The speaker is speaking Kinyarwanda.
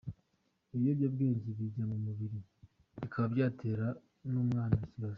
Ibiyobyabwenge bijya mu mubiri bikaba byatera n’umwana ikibazo.